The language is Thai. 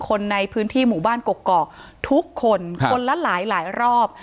คนในพื้นที่หมู่บ้านกกอกทุกคนคนละหลายหลายรอบ